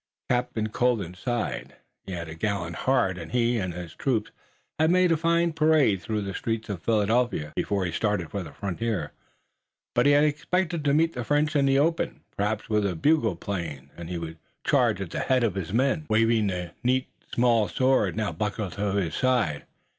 Captain Colden sighed. He had a gallant heart, and he and his troop had made a fine parade through the streets of Philadelphia, before he started for the frontier, but he had expected to meet the French in the open, perhaps with a bugle playing, and he would charge at the head of his men, waving the neat small sword, now buckled to his side.